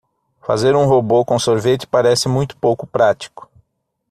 Fazer um robô com sorvete parece muito pouco prático.